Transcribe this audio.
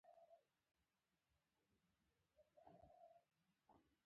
سپوږمۍ د ځمکې د کُرې په مقایسه کوچنۍ ده